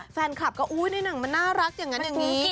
แฟนคลับก็อุ๊ยในหนังมันน่ารักอย่างนั้นอย่างนี้